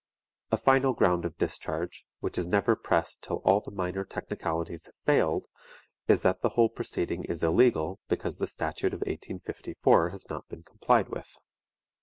A final ground of discharge, which is never pressed till all the minor technicalities have failed, is that the whole proceeding is illegal because the statute of 1854 has not been complied with.